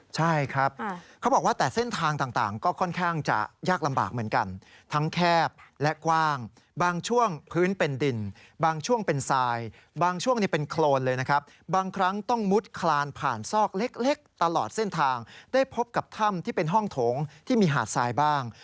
ใช่ครับเขาบอกว่าแต่เส้นทางต่างก็ค่อนข้างจะยากลำบากเหมือนกันทั้งแคบและกว้างบางช่วงพื้นเป็นดินบางช่วงเป็นทรายบางช่วงนี้เป็นโครนเลยนะครับบางครั้งต้องมุดคลานผ่านซอกเล็กตลอดเส้นทางได้พบกับถ้ำที่เป็นห้องโถงที่มีหาดทรายบ้าง